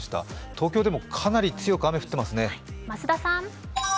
東京でもかなり強く雨降ってますね。